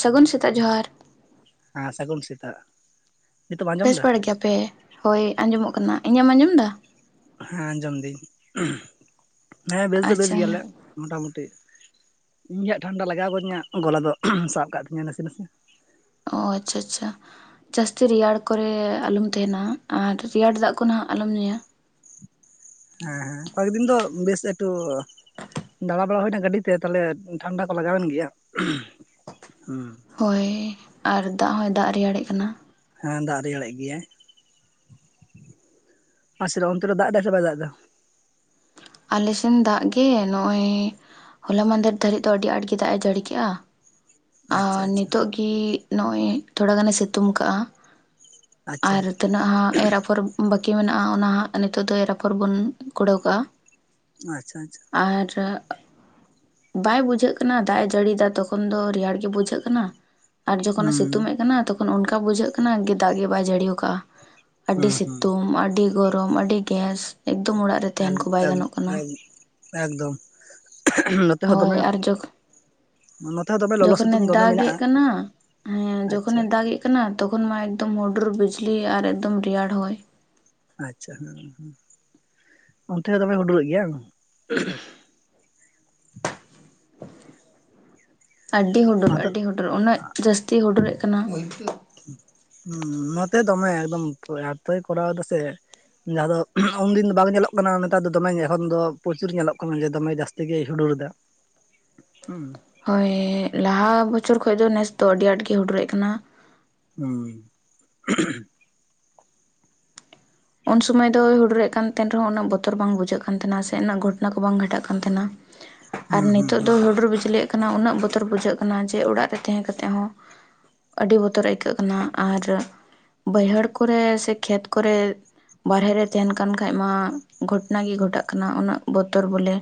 ᱥᱟᱹᱜᱩᱱ ᱥᱮᱛᱟᱜ ᱡᱚᱦᱟᱨ᱾ ᱦᱟ ᱥᱟᱹᱜᱩᱱ ᱥᱮᱛᱟᱜ᱾ ᱱᱤᱛᱚᱜ ᱟᱸᱡᱚᱢ ᱵᱮᱥ ᱮᱫᱟ ᱵᱟᱲᱟ ᱜᱮᱭᱟᱯᱮ ᱦᱳᱭ ᱟᱸᱡᱚᱢᱚᱜ ᱠᱟᱱᱟ ᱧᱟᱜ ᱟᱡᱚᱢ ᱫᱟ? ᱦᱮ ᱟᱡᱚᱢ ᱫᱟᱹᱧ ᱦᱮ ᱵᱮᱥ ᱫᱚ ᱵᱮᱥ ᱟᱪᱪᱷᱟ ᱜᱮᱭᱟᱞᱮ᱾ ᱢᱚᱴᱟ ᱢᱩᱴᱤ ᱤᱧ ᱜᱮ ᱦᱟᱜ ᱴᱷᱟᱱᱰᱟ ᱞᱟᱜᱟᱣ ᱜᱤᱧᱟᱹ ᱜᱚᱞᱟ ᱫᱚ ᱥᱟᱵ ᱠᱟᱜ ᱛᱤᱧᱟᱹ ᱱᱟᱥᱮ ᱱᱟᱥᱮ᱾ ᱚ ᱟᱪᱪᱷᱟ ᱟᱪᱪᱷᱟ᱾ ᱡᱟᱹᱥᱛᱤ ᱨᱮᱭᱟᱲ ᱠᱚᱨᱮ ᱟᱞᱚᱢ ᱛᱟᱦᱮᱱᱟ ᱟᱨ ᱨᱮᱭᱟᱲ ᱫᱟᱜ ᱠᱚ ᱱᱟᱦᱟᱜ ᱟᱞᱚᱢ ᱧᱩᱭᱟ᱾ ᱦᱮ ᱦᱮ ᱠᱚᱭᱮᱠ ᱫᱤᱱ ᱫᱚ ᱵᱮᱥ ᱮᱠᱴᱩ ᱫᱟᱬᱟ ᱵᱟᱲᱟ ᱦᱩᱭ ᱱᱟ ᱜᱟᱹᱰᱤᱛᱮ ᱛᱟᱞᱦᱮ ᱴᱷᱟᱱᱰᱟ ᱠᱚ ᱞᱟᱜᱟᱣ ᱮᱱ ᱜᱮᱭᱟ ᱦᱩ᱾ ᱦᱳᱭ ᱟᱨ ᱫᱟᱜ ᱦᱚᱭ ᱫᱟᱜ ᱨᱮᱭᱟᱲᱮᱜ ᱠᱟᱱᱟ᱾ ᱦᱮ ᱫᱟᱜ ᱨᱮᱭᱟᱲᱮᱫ ᱜᱮᱭᱟᱭ [unintelligible] ᱚᱱᱛᱮ ᱨᱮ ᱫᱟᱜ ᱮ ᱥᱮ ᱵᱟᱭ ᱫᱟᱜ ᱮᱫᱟ? ᱟᱞᱮ ᱥᱮᱱ ᱫᱟᱜ ᱜᱮ ᱱᱚᱜ-ᱚᱭ᱾ ᱦᱚᱞᱟ ᱢᱟᱫᱷᱮᱨ ᱫᱷᱟᱹᱨᱤᱡ ᱫᱚ ᱟᱹᱰᱤ ᱟᱸᱴ ᱜᱮ ᱫᱟᱜ ᱮ ᱡᱟᱹᱲᱤ ᱠᱮᱜ-ᱟ᱾ ᱟᱪᱪᱷᱟ ᱟᱨ ᱟᱪᱪᱷᱟ ᱱᱤᱛᱚᱜ ᱜᱮ ᱱᱚᱜ-ᱚᱭ ᱛᱷᱚᱲᱟ ᱜᱟᱱᱮ ᱥᱤᱛᱩᱝ ᱠᱟᱜ-ᱟ᱾ ᱟᱪᱪᱷᱟ ᱟᱨ ᱛᱤᱱᱟᱹᱜ ᱦᱚ ᱮᱨ ᱟᱯᱷᱚᱨ ᱵᱟᱹᱠᱤ ᱢᱮᱱᱟᱜ-ᱟ ᱚᱱᱟ ᱦᱟᱜ ᱱᱤᱛᱚᱜ ᱫᱚ ᱨᱟᱯᱷᱚᱲ ᱵᱚᱱ ᱠᱩᱲᱟᱹᱣ ᱠᱟᱜ-ᱟ᱾ ᱟᱪᱪᱷᱟ ᱟᱪᱪᱷᱟ᱾ ᱟᱨ ᱟᱜ ᱵᱟᱭ ᱵᱩᱡᱷᱟᱹᱜ ᱠᱟᱱᱟ ᱫᱟᱜ ᱮ ᱡᱟᱹᱲᱤᱭᱟ ᱛᱚᱠᱷᱚᱱ ᱫᱚ ᱨᱮᱭᱟᱲ ᱜᱮ ᱵᱩᱡᱷᱟᱹᱜ ᱠᱟᱱᱟ ᱟᱨ ᱡᱚᱠᱷᱚᱱᱮ ᱦᱩᱸ ᱥᱤᱛᱩᱝ ᱮᱫ ᱠᱟᱱᱟ ᱛᱚᱠᱷᱚᱱ ᱚᱱᱠᱟ ᱵᱩᱡᱷᱟᱹᱜ ᱠᱟᱱᱟ ᱫᱟᱜ ᱜᱮ ᱵᱟᱭ ᱡᱟᱹᱲᱤ ᱠᱟᱜ-ᱟ᱾ ᱟᱹᱰᱤ ᱦᱩᱸ ᱦᱩᱸ ᱥᱤᱛᱩᱝ ᱟᱹᱰᱤ ᱜᱚᱨᱚᱢ ᱟᱹᱰᱤ ᱜᱮᱥ ᱮᱠᱫᱚᱢ ᱚᱲᱟᱜ ᱨᱮ ᱛᱟᱦᱮᱱ ᱮᱠ ᱠᱚ ᱵᱟᱭ ᱮᱠ ᱜᱟᱱᱚᱜ᱾ ᱠᱟᱱᱟ ᱮᱠᱫᱚᱢ ᱱᱚᱛᱮ ᱦᱚ ᱦᱳᱭ ᱫᱚᱢᱮ ᱟᱨ ᱡᱚᱠ ᱱᱚᱛᱮ ᱦᱚ ᱫᱚᱢᱮ ᱞᱚᱞᱚ ᱡᱚᱠᱷᱚᱱᱮ ᱥᱤᱛᱩᱝ ᱫᱚᱢᱮ ᱫᱟᱜ ᱮᱫ ᱢᱮᱱᱟᱜᱼᱟ ᱠᱟᱱᱟ ᱦᱮ ᱟᱪᱪᱷᱟ ᱡᱚᱠᱷᱚᱱᱮ ᱫᱟᱜ ᱮᱫ ᱦᱩᱭᱩᱜ ᱠᱟᱱᱟ ᱛᱚᱠᱷᱚᱱ ᱢᱟ ᱮᱠᱫᱚᱢ ᱦᱩᱰᱩᱨ ᱵᱤᱡᱞᱤ ᱟᱨ ᱮᱠᱫᱚᱢ ᱨᱮᱭᱟᱲ ᱦᱚᱭ ᱟᱪᱪᱷᱟ ᱦᱮᱸ ᱦᱮᱸ ᱚᱱᱛᱮ ᱦᱚ ᱫᱚᱢᱮ ᱦᱩᱰᱩᱨ ᱮᱜ ᱜᱮᱭᱟ ᱟᱹᱰᱤ ᱦᱩᱰᱩᱨ ᱟᱹᱰᱤ ᱦᱩᱰᱩᱨ ᱩᱱᱟᱹᱜ ᱡᱟᱹᱥᱛᱤ ᱦᱩᱰᱩᱨᱮᱜ ᱠᱟᱱᱟ ᱦᱩ ᱱᱚᱛᱮ ᱫᱚᱢᱮ ᱮᱠᱫᱚᱢ ᱮᱛᱚᱭ ᱠᱚᱨᱟᱣ ᱫᱟ ᱥᱮ ᱡᱟᱦᱟᱸ ᱫᱚ ᱩᱱᱫᱤᱱ ᱫᱚ ᱵᱟᱝ ᱧᱮᱞᱚᱜ ᱠᱟᱱᱟ ᱱᱮᱛᱟᱨ ᱫᱚᱢᱮ ᱮᱠᱷᱚᱱ ᱫᱚ ᱯᱨᱚᱪᱩᱨ ᱧᱮᱞᱚᱜ ᱠᱟᱱᱟ ᱡᱮ ᱫᱚᱢᱮ ᱡᱟᱹᱥᱛᱤ ᱜᱮᱭ ᱦᱩᱰᱩᱨ ᱮᱫᱟ ᱦᱩ ᱦᱳᱭ ᱞᱟᱦᱟ ᱵᱚᱪᱷᱚᱨ ᱠᱷᱚᱱ ᱫᱚ ᱱᱮᱥ ᱫᱚ ᱟᱹᱰᱤ ᱟᱸᱴ ᱜᱮ ᱦᱩᱰᱩᱨᱚᱜ ᱠᱟᱱᱟ ᱦᱳ ᱩᱱ ᱥᱚᱢᱚᱭ ᱫᱚ ᱦᱩᱰᱩᱨᱜ ᱠᱟᱱ ᱛᱟᱦᱮᱸᱱ ᱨᱮᱦᱚᱸ ᱩᱱᱟᱹᱜ ᱵᱚᱛᱚᱨ ᱵᱟᱝ ᱵᱩᱡᱷᱟᱹᱜ ᱠᱟᱱ ᱛᱟᱦᱮᱱᱟ ᱥᱮ ᱩᱱᱟᱹᱜ ᱜᱷᱚᱴᱱᱟ ᱠᱚ ᱵᱟᱝ ᱜᱷᱚᱴᱟᱜ ᱠᱟᱱ ᱛᱟᱦᱮᱱᱟ ᱟᱨ ᱦᱩᱸ ᱦᱩᱸ ᱱᱤᱛᱳᱜ ᱫᱚ ᱦᱩᱸ ᱦᱩᱰᱩᱨ ᱵᱤᱡᱞᱤᱜ ᱠᱟᱱᱟ ᱠᱟᱱᱟ ᱩᱱᱟᱹᱜ ᱵᱚᱛᱚᱨ ᱵᱩᱡᱷᱟᱹᱜ ᱠᱟᱱᱟ ᱡᱮ ᱚᱲᱟᱜ ᱨᱮ ᱛᱟᱦᱮᱸ ᱠᱟᱛᱮ ᱦᱚᱸ ᱟᱹᱰᱤ ᱵᱚᱛᱚᱨ ᱟᱹᱭᱠᱟᱹᱜ ᱠᱟᱱᱟ ᱟᱨ ᱵᱟᱹᱭᱦᱟᱹᱲ ᱠᱚᱨᱮ ᱥᱮ ᱠᱷᱮᱛ ᱠᱚᱨᱮ ᱵᱟᱦᱨᱮ ᱨᱮ ᱛᱟᱦᱮᱱ ᱠᱟᱱ ᱠᱷᱟᱡ ᱢᱟ ᱜᱷᱚᱴᱚᱱᱟ ᱜᱮ ᱜᱷᱚᱴᱟᱜ ᱠᱟᱱᱟ ᱩᱱᱟᱹᱜ ᱵᱚᱛᱚᱨ ᱵᱚᱞᱮ